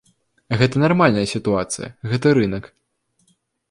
Гэта нармальная сітуацыя, гэта рынак.